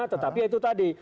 tetapi itu tadi